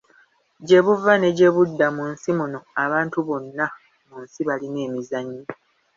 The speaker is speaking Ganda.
Gye buva ne gye budda mu nsi muno abantu bonna mu nsi balina emizannyo.